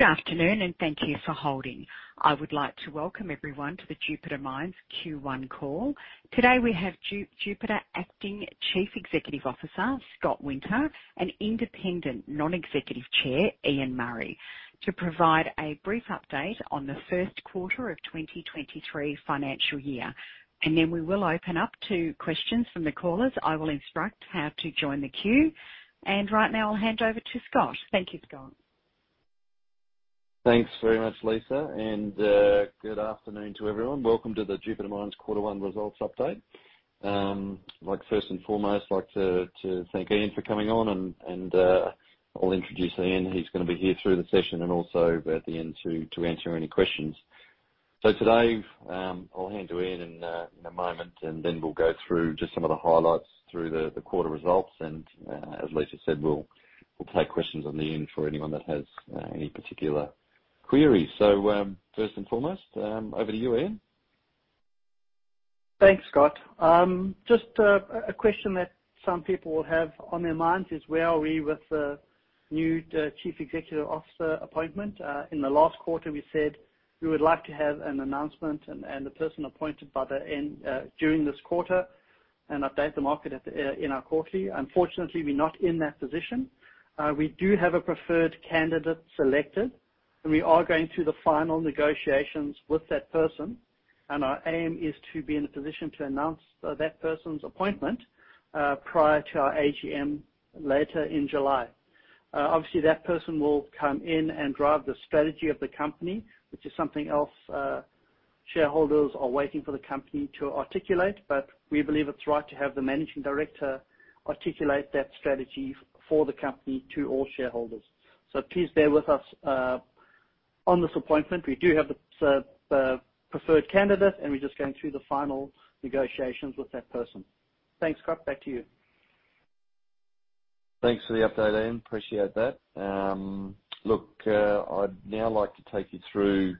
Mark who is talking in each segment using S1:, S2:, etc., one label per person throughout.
S1: Good afternoon, and thank you for holding. I would like to welcome everyone to the Jupiter Mines Q1 call. Today, we have Jupiter Acting Chief Executive Officer, Scott Winter, and Independent Non-Executive Chair, Ian Murray, to provide a brief update on the first quarter of 2023 financial year. Then we will open up to questions from the callers. I will instruct how to join the queue. Right now, I'll hand over to Scott. Thank you, Scott.
S2: Thanks very much, Lisa. Good afternoon to everyone. Welcome to the Jupiter Mines Q1 Results update. Like, first and foremost, like to thank Ian for coming on and I'll introduce Ian. He's gonna be here through the session and also at the end to answer any questions. Today, I'll hand to Ian in a moment, and then we'll go through just some of the highlights through the quarter results. As Lisa said, we'll take questions at the end for anyone that has any particular queries. First and foremost, over to you, Ian.
S3: Thanks, Scott. Just a question that some people have on their minds is: Where are we with the new chief executive officer appointment? In the last quarter, we said we would like to have an announcement and the person appointed by the end during this quarter and update the market in our quarterly. Unfortunately, we're not in that position. We do have a preferred candidate selected, and we are going through the final negotiations with that person. Our aim is to be in a position to announce that person's appointment prior to our AGM later in July. Obviously, that person will come in and drive the strategy of the company, which is something else shareholders are waiting for the company to articulate. We believe it's right to have the managing director articulate that strategy for the company to all shareholders. Please bear with us on this appointment. We do have the preferred candidate, and we're just going through the final negotiations with that person. Thanks, Scott. Back to you.
S2: Thanks for the update, Ian. Appreciate that. Look, I'd now like to take you through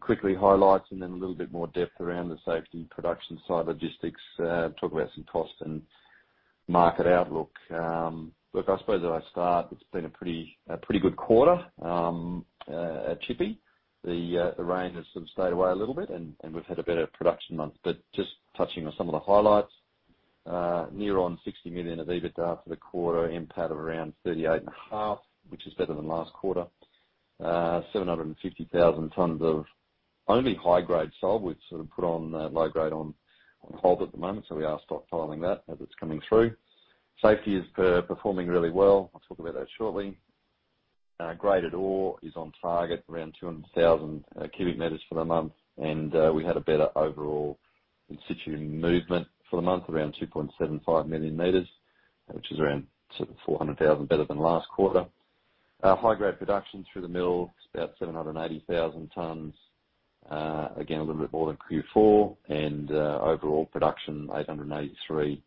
S2: quickly highlights and then a little bit more depth around the safety, production side, logistics, talk about some costs and market outlook. Look, I suppose I start. It's been a pretty good quarter at Tshipi. The rain has sort of stayed away a little bit, and we've had a better production month. Just touching on some of the highlights. Near on 60 million of EBITDA for the quarter, NPAT of around 38.5 million, which is better than last quarter. 750,000 tonnes of only high-grade sold. We've sort of put the low grade on hold at the moment, so we are stockpiling that as it's coming through. Safety is performing really well. I'll talk about that shortly. Graded ore is on target, around 200,000 cubic meters for the month. We had a better overall in situ movement for the month, around 2.75 million meters, which is around 400,000 better than last quarter. Our high-grade production through the mill is about 780,000 tonnes. Again, a little bit more than Q4. Overall production, 883,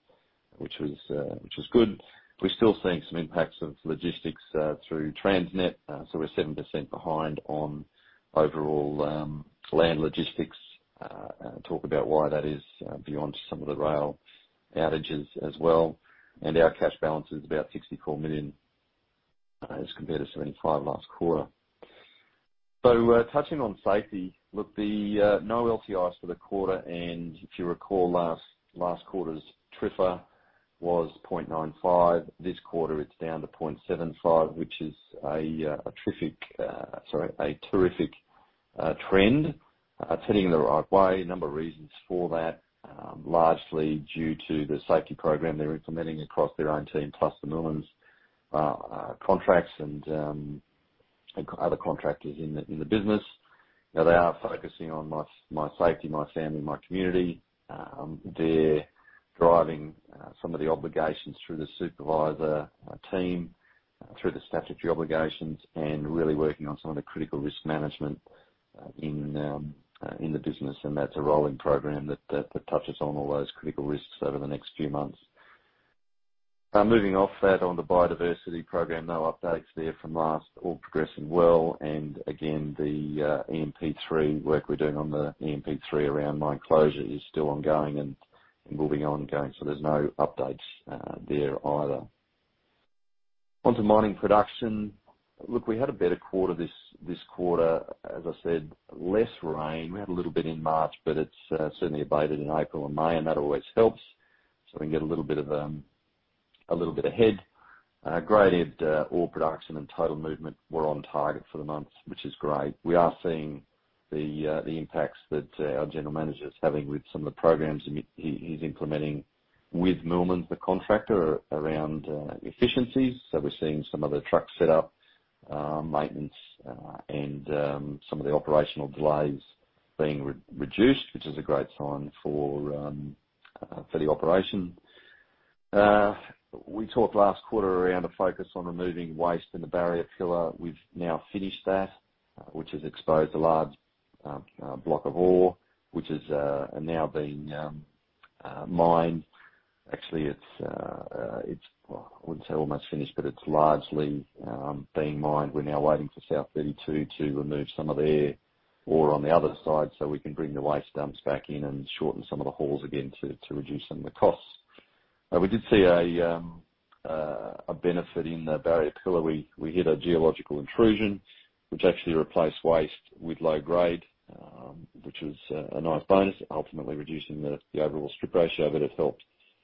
S2: which was good. We're still seeing some impacts of logistics through Transnet. We're 7% behind on overall land logistics. I'll talk about why that is beyond some of the rail outages as well. Our cash balance is about 64 million as compared to 75 million last quarter. Touching on safety. Look, no LCIs for the quarter. If you recall, last quarter's TRIFR was 0.95. This quarter, it's down to 0.75, which is a terrific trend. Turning the right way. A number of reasons for that, largely due to the safety program they're implementing across their own team, plus the Moolmans contracts and other contractors in the business. Now they are focusing on my safety, my family, my community. They're driving some of the obligations through the supervisor team, through the statutory obligations, and really working on some of the critical risk management in the business, and that's a rolling program that touches on all those critical risks over the next few months. Moving off that on the biodiversity program. No updates there from last. All progressing well. Again, the EMP3 work we're doing on the EMP3 around mine closure is still ongoing and will be ongoing. There's no updates there either. On to mining production. Look, we had a better quarter this quarter. As I said, less rain. We had a little bit in March, but it's certainly abated in April and May, and that always helps. We can get a little bit ahead. Graded ore production and total movement were on target for the month, which is great. We are seeing the impacts that our general manager is having with some of the programs he's implementing with Moolman, the contractor, around efficiencies. We're seeing some of the trucks set up, maintenance, and some of the operational delays being re-reduced, which is a great sign for the operation. We talked last quarter around a focus on removing waste in the barrier pillar. We've now finished that, which has exposed a large block of ore, which is now being mined. Actually, I wouldn't say almost finished, but it's largely being mined. We're now waiting for South 32 to remove some of their ore on the other side, so we can bring the waste dumps back in and shorten some of the hauls again to reduce some of the costs. We did see a benefit in the barrier pillar. We hit a geological intrusion which actually replaced waste with low-grade, which was a nice bonus, ultimately reducing the overall strip ratio. It helped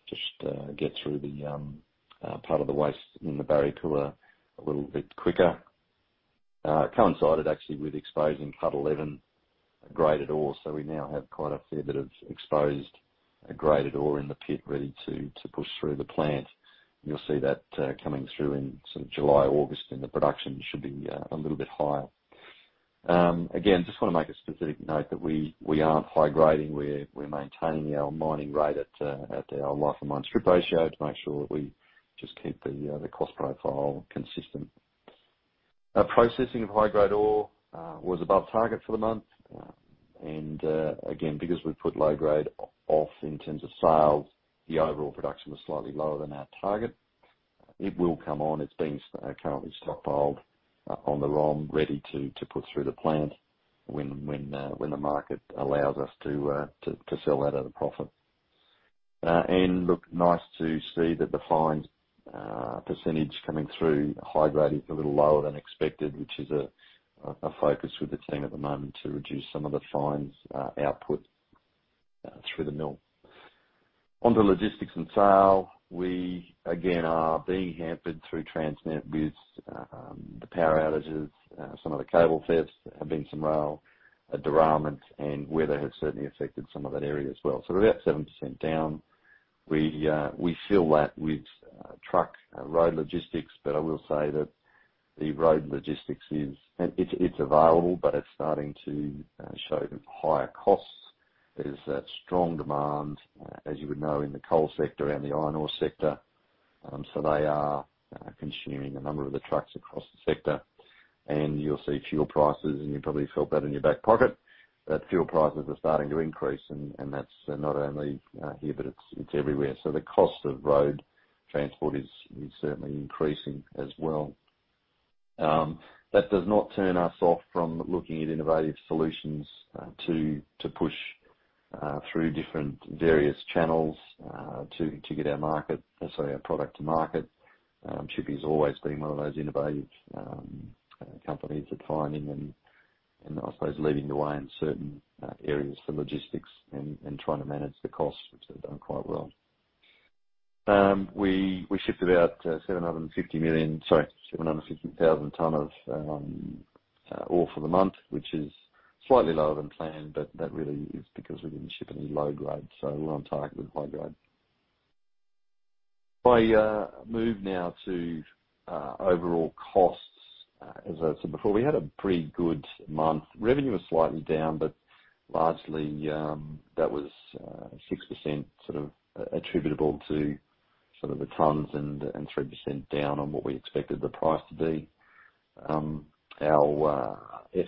S2: just get through the part of the waste in the barrier pillar a little bit quicker. It coincided actually with exposing Cut 11 graded ore. We now have quite a fair bit of exposed graded ore in the pit ready to push through the plant. You'll see that coming through in sort of July, August, and the production should be a little bit higher. Again, just wanna make a specific note that we aren't high-grading, we're maintaining our mining rate at our life of mine strip ratio to make sure that we just keep the cost profile consistent. Our processing of high-grade ore was above target for the month. Again, because we've put low-grade off in terms of sales, the overall production was slightly lower than our target. It will come on. It's currently stockpiled on the ROM, ready to put through the plant when the market allows us to sell that at a profit. It's nice to see that the fines percentage coming through high-grade is a little lower than expected, which is a focus with the team at the moment to reduce some of the fines output through the mill. Onto logistics and sales. We again are being hampered through Transnet with the power outages. Some of the cable thefts. There have been some rail derailment and weather has certainly affected some of that area as well. We're about 7% down. We fill that with truck road logistics, but I will say that the road logistics is. It's available, but it's starting to show higher costs. There's a strong demand as you would know in the coal sector and the iron ore sector. They are consuming a number of the trucks across the sector. You'll see fuel prices, and you probably felt that in your back pocket, that fuel prices are starting to increase and that's not only here, but it's everywhere. The cost of road transport is certainly increasing as well. That does not turn us off from looking at innovative solutions to push through different various channels to get our product to market. Tshipi's always been one of those innovative companies at finding and I suppose leading the way in certain areas for logistics and trying to manage the costs, which they've done quite well. We shipped about 750,000 tonnes of ore for the month, which is slightly lower than planned, but that really is because we didn't ship any low grade, so we're on target with high grade. If I move now to overall costs. As I said before, we had a pretty good month. Revenue was slightly down, but largely, that was 6% sort of attributable to sort of the tonnes and 3% down on what we expected the price to be. Our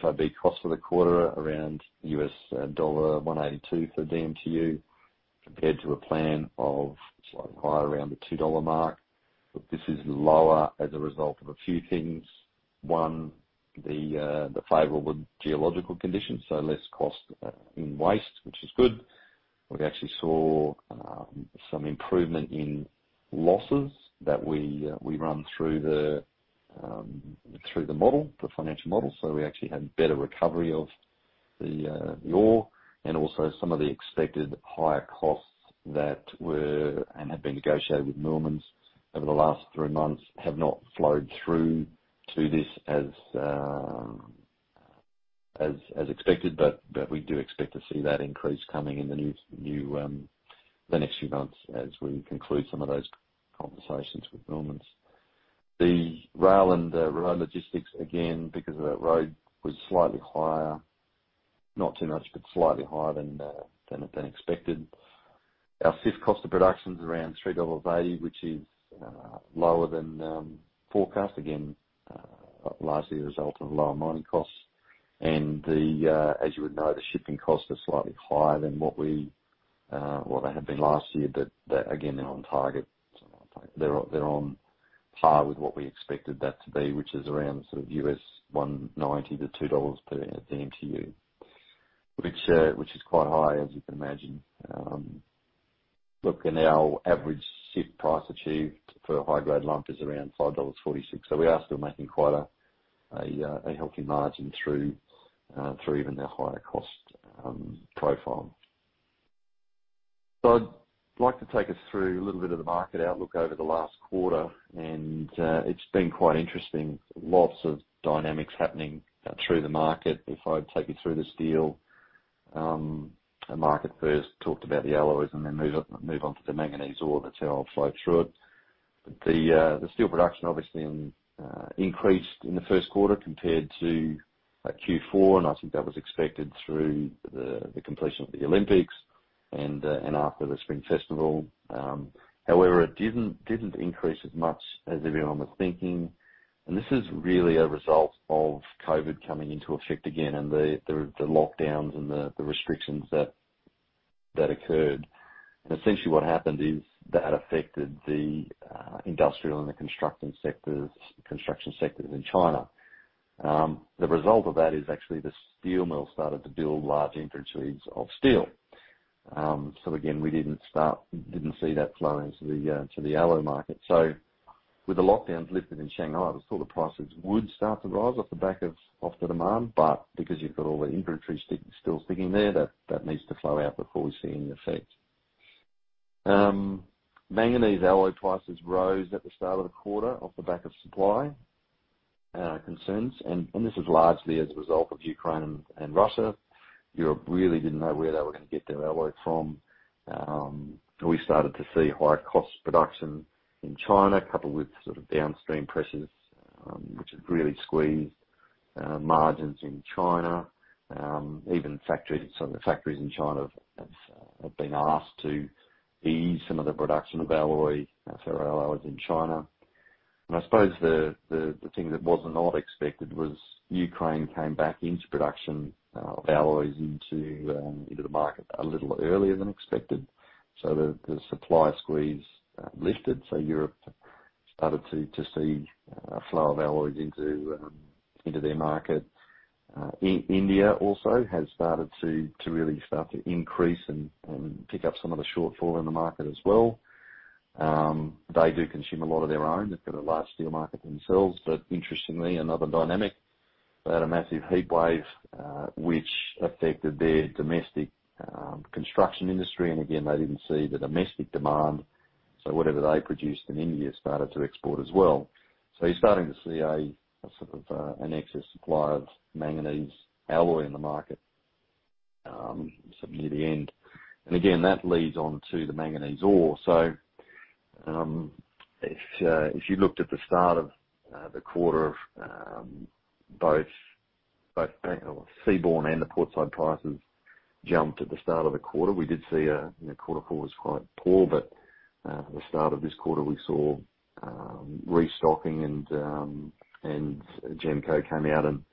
S2: FOB cost for the quarter around $182 for DMTU, compared to a plan of slightly higher, around the $2 mark. This is lower as a result of a few things. One, the favorable geological conditions, so less cost in waste, which is good. We actually saw some improvement in losses that we run through the model, the financial model. We actually had better recovery of the ore. Also some of the expected higher costs that were, and have been negotiated with Moolmans over the last three months have not flowed through to this as expected, but we do expect to see that increase coming in the next few months as we conclude some of those conversations with Moolmans. The rail and road logistics, again, because of that road, was slightly higher, not too much, but slightly higher than expected. Our CIF cost of production is around $3.80, which is lower than forecast. Again, largely a result of lower mining costs. as you would know, the shipping costs are slightly higher than what they had been last year. But that again, they're on target. They're on target. They're on par with what we expected that to be, which is around sort of $1.90-$2 per DMTU. Which is quite high, as you can imagine. Our average CIF price achieved per high-grade lump is around $5.46. We are still making quite a healthy margin through even the higher cost profile. I'd like to take us through a little bit of the market outlook over the last quarter, and it's been quite interesting. Lots of dynamics happening through the market. If I take you through the steel market first, talked about the alloys and then move on to the manganese ore. That's how I'll flow through it. The steel production obviously increased in the first quarter compared to Q4, and I think that was expected through the completion of the Olympics and after the Spring Festival. However, it didn't increase as much as everyone was thinking. This is really a result of COVID coming into effect again and the lockdowns and the restrictions that occurred. Essentially what happened is that affected the industrial and the construction sectors in China. The result of that is actually the steel mills started to build large inventories of steel. So again, we didn't see that flow into the alloy market. With the lockdowns lifted in Shanghai, I thought the prices would start to rise off the back of the demand, but because you've got all the inventory stuck, still sticking there, that needs to flow out before we see any effect. Manganese alloy prices rose at the start of the quarter off the back of supply concerns, and this is largely as a result of Ukraine and Russia. Europe really didn't know where they were gonna get their alloy from. We started to see higher-cost production in China, coupled with sort of downstream pressures, which have really squeezed margins in China. Even some of the factories in China have been asked to ease some of the production of alloys in China. I suppose the thing that was not expected was Ukraine came back into production of alloys into the market a little earlier than expected. The supply squeeze lifted. Europe started to see a flow of alloys into their market. India also has started to really start to increase and pick up some of the shortfall in the market as well. They do consume a lot of their own. They've got a large steel market themselves. Interestingly, another dynamic, they had a massive heatwave which affected their domestic construction industry. Again, they didn't see the domestic demand, so whatever they produced in India started to export as well. You're starting to see a sort of excess supply of manganese alloy in the market, certainly near the end. Again, that leads on to the manganese ore. If you looked at the start of the quarter, both seaborne and the port side prices jumped at the start of the quarter. We did see, you know, quarter four was quite poor, but at the start of this quarter, we saw restocking and GEMCO came out and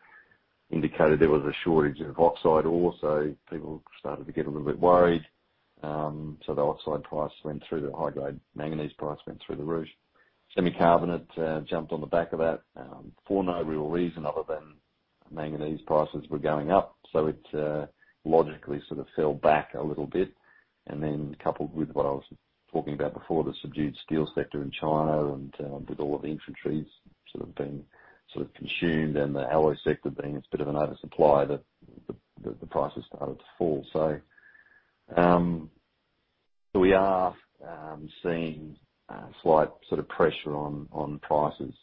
S2: indicated there was a shortage of oxide ore, so people started to get a little bit worried. The oxide price went through the roof. The high-grade manganese price went through the roof. Semi-carbonate jumped on the back of that for no real reason other than manganese prices were going up. It logically sort of fell back a little bit. Then coupled with what I was talking about before, the subdued steel sector in China and with all the inventories sort of being consumed and the alloy sector being it's a bit of an oversupply that the prices started to fall. We are seeing slight sort of pressure on prices,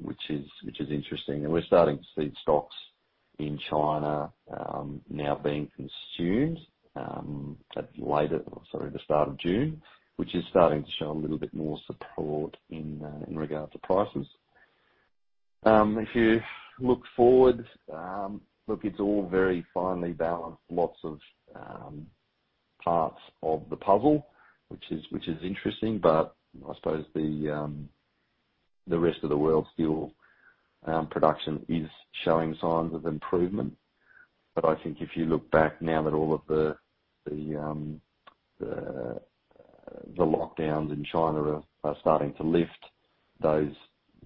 S2: which is interesting. We're starting to see stocks in China now being consumed at the start of June, which is starting to show a little bit more support in regards to prices. If you look forward, it's all very finely balanced, lots of parts of the puzzle, which is interesting, but I suppose the rest of the world's steel production is showing signs of improvement. I think if you look back now that all of the lockdowns in China are starting to lift, those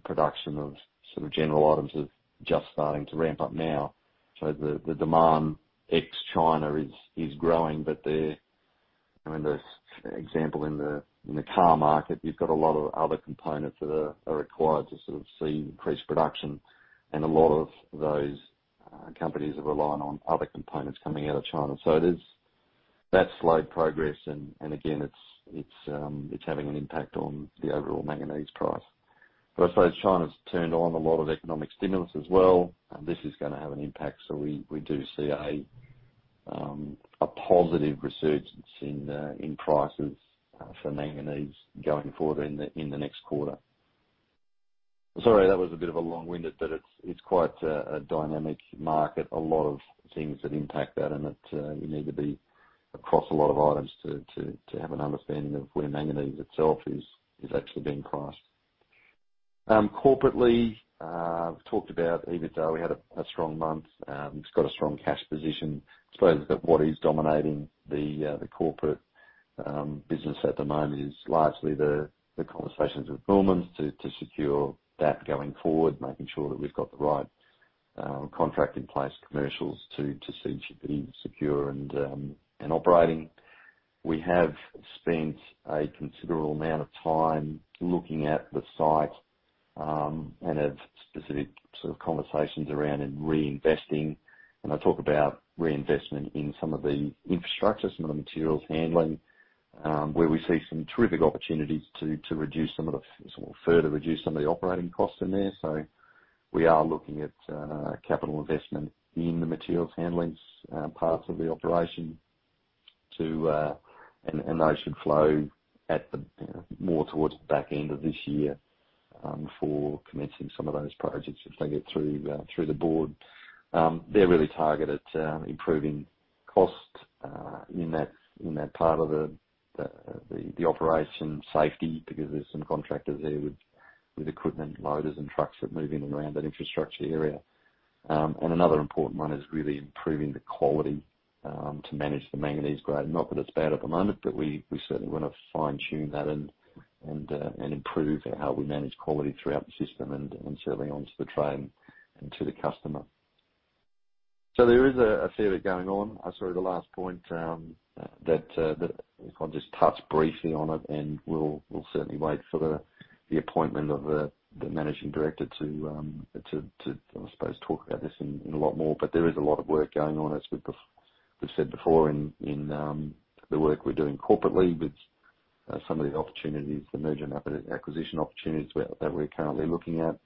S2: production of sort of general items are just starting to ramp up now. The demand ex-China is growing, but they are. I mean, the example in the car market, you've got a lot of other components that are required to sort of see increased production. A lot of those companies are relying on other components coming out of China. It is. That slowed progress. It's having an impact on the overall manganese price. I suppose China's turned on a lot of economic stimulus as well, and this is gonna have an impact, so we do see a positive resurgence in prices for manganese going forward in the next quarter. Sorry, that was a bit of a long-winded, but it's quite a dynamic market. A lot of things that impact that. You need to be across a lot of items to have an understanding of where manganese itself is actually being priced. Corporately, we talked about EBITDA. We had a strong month. It's got a strong cash position. I suppose that what is dominating the corporate business at the moment is largely the conversations with Moolmans to secure that going forward, making sure that we've got the right contract in place, commercials to see GP secure and operating. We have spent a considerable amount of time looking at the site and have specific sort of conversations around reinvesting. I talk about reinvestment in some of the infrastructure, some of the materials handling where we see some terrific opportunities to sort of further reduce some of the operating costs in there. We are looking at capital investment in the materials handling parts of the operation to. Those should flow more towards the back end of this year before commencing some of those projects as they get through the board. They're really targeted improving costs in that part of the operation, safety because there's some contractors there with equipment, loaders and trucks that move in and around that infrastructure area. Another important one is really improving the quality to manage the manganese grade. Not that it's bad at the moment, but we certainly wanna fine-tune that and improve how we manage quality throughout the system and certainly onto the train and to the customer. There is a fair bit going on. Sorry, the last point that. I'll just touch briefly on it, and we'll certainly wait for the appointment of the managing director to I suppose talk about this in a lot more. There is a lot of work going on, as we've said before in the work we're doing corporately with some of the opportunities, the merger and acquisition opportunities we're currently looking at.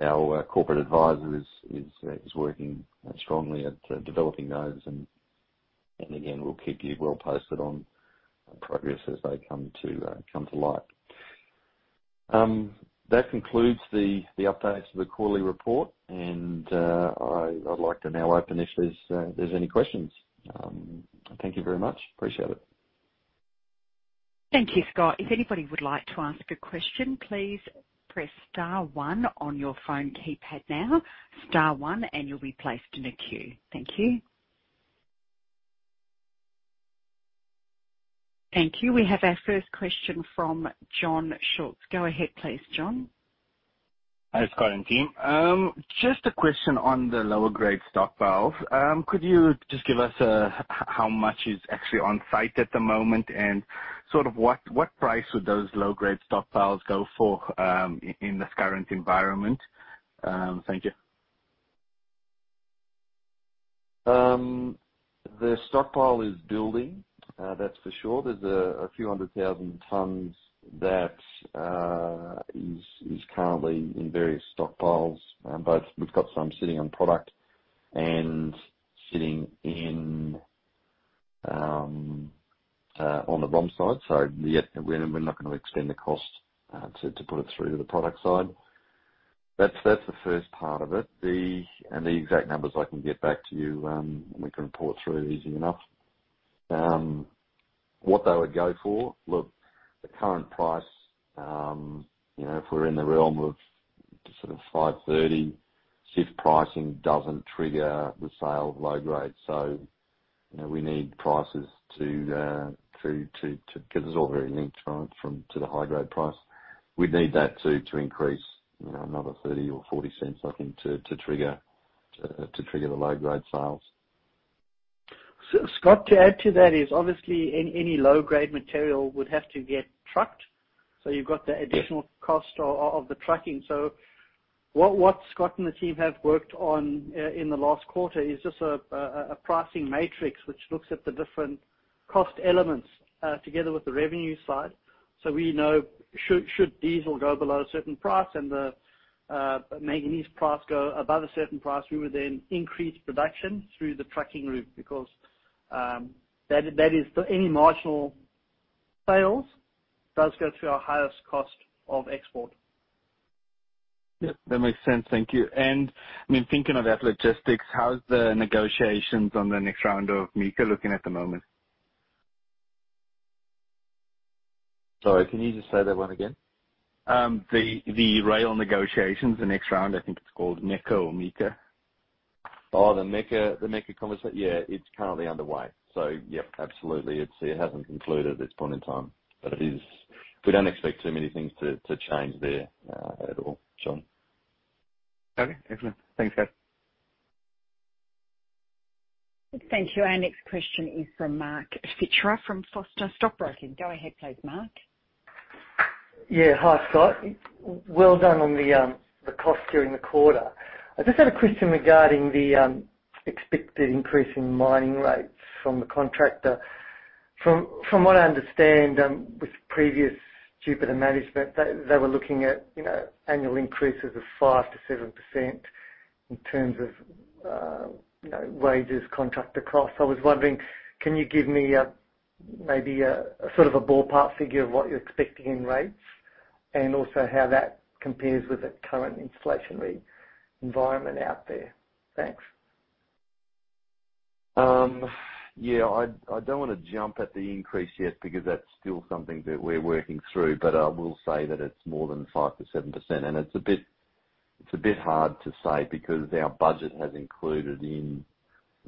S2: Our corporate advisor is working strongly at developing those and again, we'll keep you well posted on progress as they come to light. That concludes the updates for the quarterly report, and I'd like to now open if there's any questions. Thank you very much. Appreciate it.
S1: Thank you, Scott. If anybody would like to ask a question, please press star one on your phone keypad now. Star one, and you'll be placed in a queue. Thank you. Thank you. We have our first question from Jon Scholtz. Go ahead, please, Jon.
S4: Hi, Scott and team. Just a question on the lower grade stockpile. Could you just give us how much is actually on site at the moment and sort of what price would those low-grade stockpiles go for, in this current environment? Thank you.
S2: The stockpile is building, that's for sure. There's a few hundred thousand tonnes that is currently in various stockpiles. We've got some sitting on product and sitting in on the ROM side. Yeah, we're not gonna extend the cost to put it through to the product side. That's the first part of it. The exact numbers I can get back to you, we can pull it through easy enough. What they would go for? Look, the current price, you know, if we're in the realm of sort of $5.30, CIF pricing doesn't trigger the sale of low-grade. You know, we need prices to 'cause it's all very linked to the high-grade price. We'd need that to increase, you know, another $0.30 or $0.40, I think, to trigger the low-grade sales.
S3: Scott, to add to that is obviously any low-grade material would have to get trucked. You've got the additional cost of the trucking. What Scott and the team have worked on in the last quarter is just a pricing matrix which looks at the different cost elements together with the revenue side. We know should diesel go below a certain price and the manganese price go above a certain price, we would then increase production through the trucking route because that is. Any marginal sales does go to our highest cost of export.
S4: Yeah, that makes sense. Thank you. I mean, thinking of that logistics, how's the negotiations on the next round of MECA looking at the moment?
S2: Sorry, can you just say that one again?
S4: The rail negotiations, the next round, I think it's called MECA or MICA.
S2: The MECA conversation. Yeah, it's currently underway. Yep, absolutely. It hasn't concluded at this point in time, but it is. We don't expect too many things to change there at all, Jon.
S4: Okay. Excellent. Thanks, guys.
S1: Thank you. Our next question is from Mark Fichera from Foster Stockbroking. Go ahead, please, Mark.
S5: Yeah. Hi, Scott. Well done on the cost during the quarter. I just had a question regarding the expected increase in mining rates from the contractor. From what I understand, with previous Jupiter management, they were looking at, you know, annual increases of 5%-7% in terms of, you know, wages, contractor costs. I was wondering, can you give me maybe a sort of a ballpark figure of what you're expecting in rates and also how that compares with the current inflationary environment out there? Thanks.
S2: I don't wanna jump at the increase yet because that's still something that we're working through, but I will say that it's more than 5%-7%. It's a bit hard to say because our budget has included in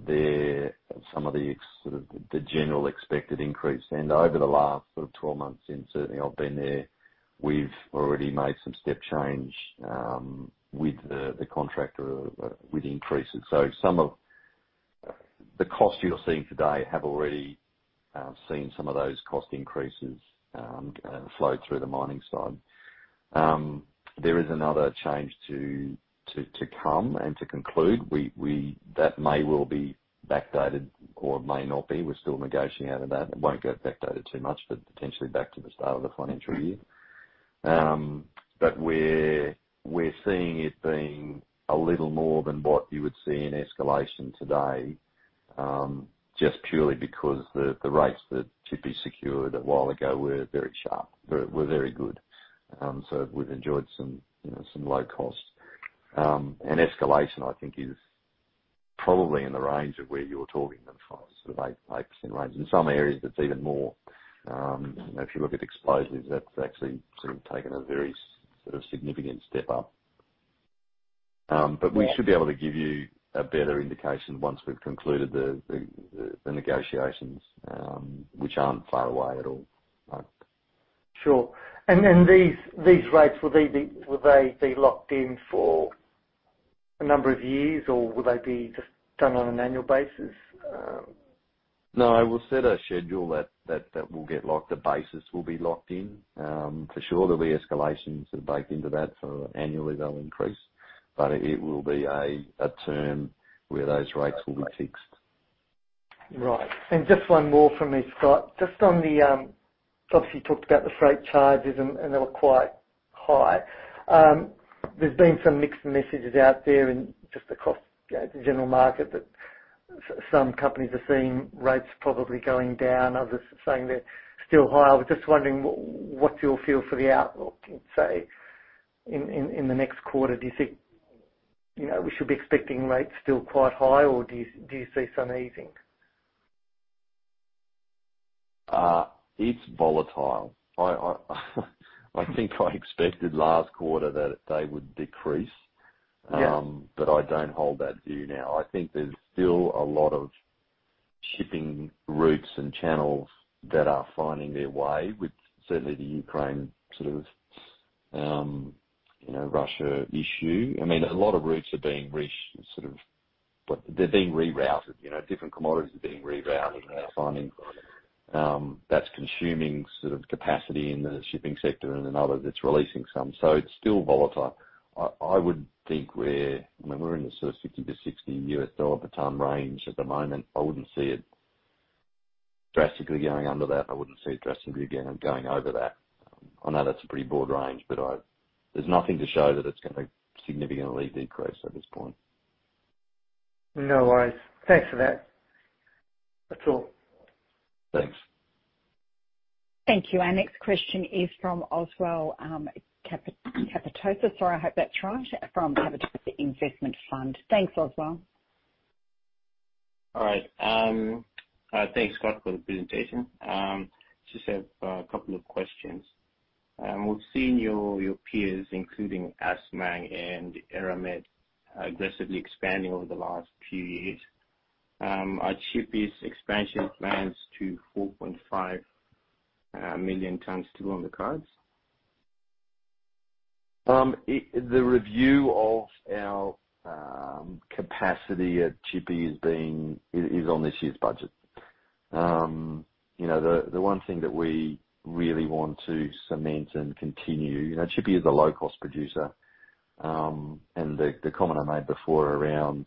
S2: there some of the sort of general expected increase. Over the last sort of 12 months, and certainly I've been there, we've already made some step change with the contractor with increases. Some of the costs you're seeing today have already seen some of those cost increases flow through the mining side. There is another change to come and to conclude. That may well be backdated or may not be. We're still negotiating out of that. It won't get back to the start of the financial year. We're seeing it being a little more than what you would see in escalation today, just purely because the rates that should be secured a while ago were very sharp. They were very good. We've enjoyed some, you know, some low costs. Escalation, I think, is probably in the range of where you're talking, then, sort of 8% range. In some areas, it's even more. If you look at explosives, that's actually sort of taken a very sort of significant step up. We should be able to give you a better indication once we've concluded the negotiations, which aren't far away at all.
S5: Sure. These rates, will they be locked in for a number of years, or will they be just done on an annual basis?
S2: No, we'll set a schedule that will get locked. The basis will be locked in. For sure, there'll be escalations sort of baked into that, so annually they'll increase. It will be a term where those rates will be fixed.
S5: Right. Just one more from me, Scott. Just on the. Obviously you talked about the freight charges and they were quite high. There's been some mixed messages out there in just the cost, you know, the general market that some companies are seeing rates probably going down, others saying they're still high. I was just wondering what's your feel for the outlook, say, in the next quarter? Do you think, you know, we should be expecting rates still quite high, or do you see some easing?
S2: It's volatile. I think I expected last quarter that they would decrease.
S5: Yeah.
S2: I don't hold that view now. I think there's still a lot of shipping routes and channels that are finding their way, with certainly the Ukraine sort of, you know, Russia issue. I mean, a lot of routes are being rerouted. You know, different commodities are being rerouted. We're finding that's consuming sort of capacity in the shipping sector and in others it's releasing some. It's still volatile. I would think I mean, we're in the sort of $50-$60 per tonne range at the moment. I wouldn't see it drastically going under that. I wouldn't see it drastically again going over that. I know that's a pretty broad range, but I. There's nothing to show that it's gonna significantly decrease at this point.
S5: No worries. Thanks for that. That's all.
S2: Thanks.
S1: Thank you. Our next question is from Oswell Capitosa. Sorry, I hope that's right. From Capital Investment Fund. Thanks, Oswell.
S6: All right. Thanks, Scott, for the presentation. Just have a couple of questions. We've seen your peers, including Assmang and Eramet, aggressively expanding over the last few years. Are Tshipi's expansion plans to 4.5 million tonnes still on the cards?
S2: The review of our capacity at Tshipi is on this year's budget. You know, the one thing that we really want to cement and continue, you know, Tshipi is a low-cost producer. The comment I made before around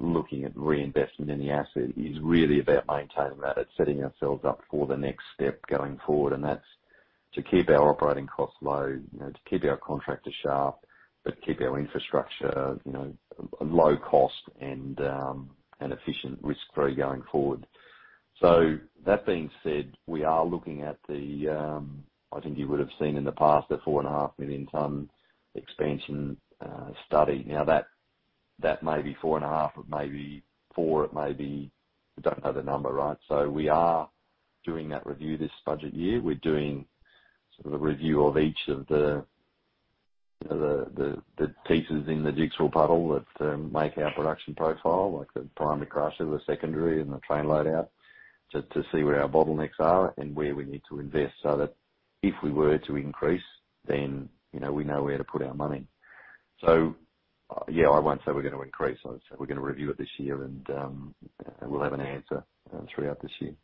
S2: looking at reinvestment in the asset is really about maintaining that. It's setting ourselves up for the next step going forward, and that's to keep our operating costs low, you know, to keep our contractor sharp, but keep our infrastructure, you know, low cost and efficient risk-free going forward. That being said, we are looking at, I think, you would have seen in the past a 4.5 million tonnes expansion study. Now that may be 4.5, it may be 4, it may be. We don't have the number, right? We are doing that review this budget year. We're doing sort of a review of each of the pieces in the jigsaw puzzle that make our production profile, like the primary crusher, the secondary and the train loadout, to see where our bottlenecks are and where we need to invest so that if we were to increase, then you know we know where to put our money. Yeah, I won't say we're gonna increase. I would say we're gonna review it this year and we'll have an answer throughout this year.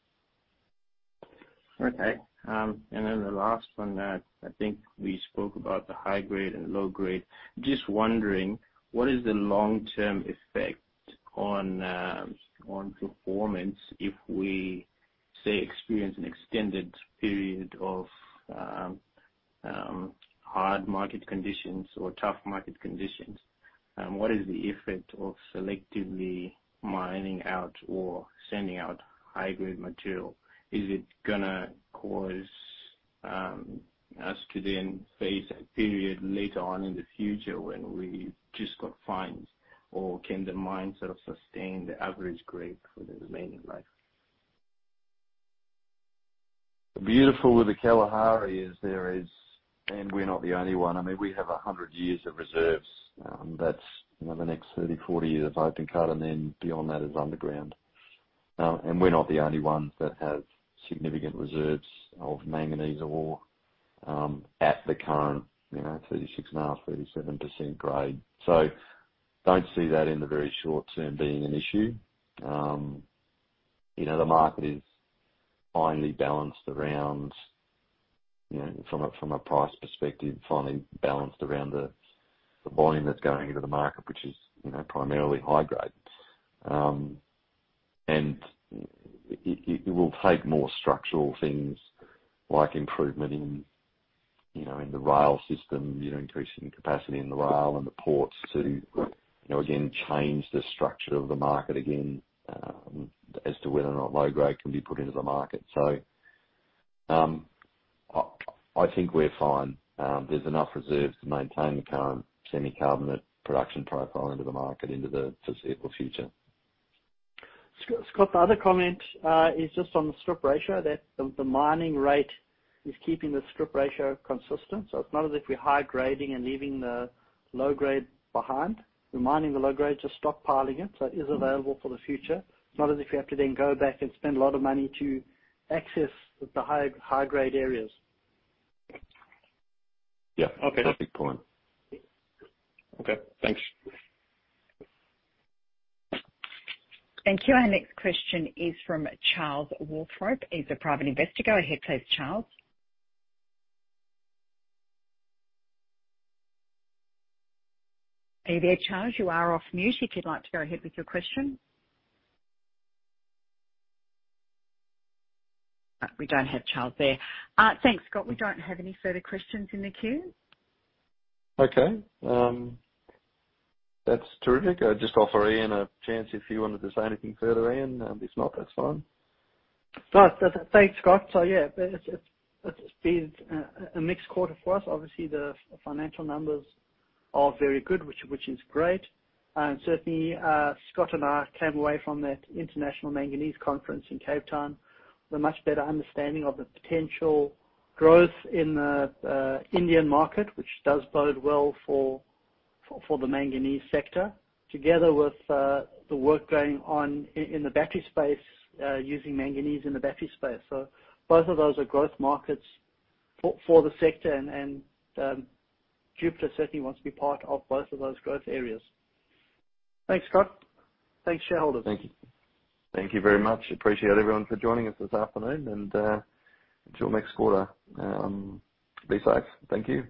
S6: Okay. The last one that I think we spoke about, the high grade and low grade. Just wondering, what is the long-term effect on performance if we, say, experience an extended period of hard market conditions or tough market conditions? What is the effect of selectively mining out or sending out high-grade material? Is it gonna cause us to then face a period later on in the future when we just got fines, or can the mine sort of sustain the average grade for the remaining life?
S2: The beauty of the Kalahari. We're not the only one. I mean, we have 100 years of reserves. That's, you know, the next 30, 40 years of open cut and then beyond that is underground. We're not the only ones that have significant reserves of manganese ore, at the current, you know, 36.5%-37% grade. Don't see that in the very short term being an issue. You know, the market is finely balanced around, you know, from a price perspective, finely balanced around the volume that's going into the market, which is, you know, primarily high grade. It will take more structural things like improvement in the rail system, you know, increasing capacity in the rail and the ports to, you know, again, change the structure of the market again, as to whether or not low grade can be put into the market. I think we're fine. There's enough reserves to maintain the current semi-carbonate production profile into the market into the foreseeable future.
S3: Scott, the other comment is just on the strip ratio, that the mining rate is keeping the strip ratio consistent. It's not as if we're high grading and leaving the low grade behind. We're mining the low grade, just stockpiling it, so it is available for the future. It's not as if we have to then go back and spend a lot of money to access the high grade areas.
S2: Yeah.
S6: Okay.
S2: Perfect point.
S6: Okay, thanks.
S1: Thank you. Our next question is from Charles Walrope. He's a private investor. Go ahead please, Charles. Are you there, Charles? You are off mute if you'd like to go ahead with your question. We don't have Charles there. Thanks, Scott, we don't have any further questions in the queue.
S2: Okay. That's terrific. I'd just offer Ian a chance if he wanted to say anything further, Ian. If not, that's fine.
S3: No, thanks, Scott. Yeah, it's been a mixed quarter for us. Obviously, the financial numbers are very good, which is great. Certainly, Scott and I came away from that International Manganese Conference in Cape Town with a much better understanding of the potential growth in the Indian market, which does bode well for the manganese sector, together with the work going on in the battery space, using manganese in the battery space. Both of those are growth markets for the sector and Jupiter certainly wants to be part of both of those growth areas. Thanks, Scott. Thanks, shareholders.
S2: Thank you. Thank you very much. Appreciate everyone for joining us this afternoon and until next quarter, be safe. Thank you.